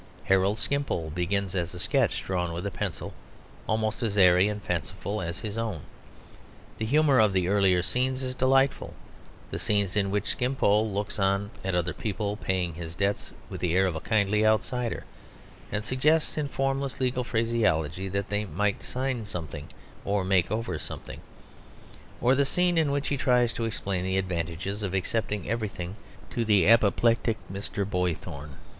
Harold Skimpole begins as a sketch drawn with a pencil almost as airy and fanciful as his own. The humour of the earlier scenes is delightful the scenes in which Skimpole looks on at other people paying his debts with the air of a kindly outsider, and suggests in formless legal phraseology that they might "sign something" or "make over something," or the scene in which he tries to explain the advantages of accepting everything to the apoplectic Mr. Boythorn.